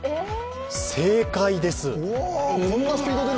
正解です。